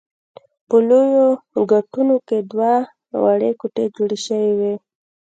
په لویو ګټونو کې دوه وړې کوټې جوړې شوې وې.